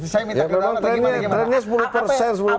saya minta kebanyakan lagi